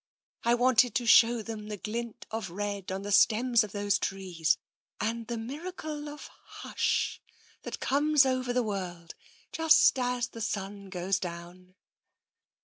I wanted to show them the glint of red on the stems 62 TENSION of those trees, and the miracle of hush that comes over the world just as the sun goes down.